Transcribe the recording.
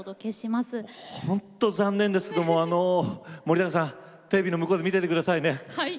本当残念ですけども森高さんテレビの向こうで見ててくださいね。